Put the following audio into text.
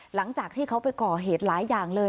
หลังจากที่เขาไปก่อเหตุหลายอย่างเลย